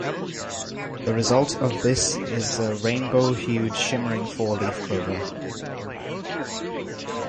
The result of this is a rainbow-hued, shimmering four-leaf clover.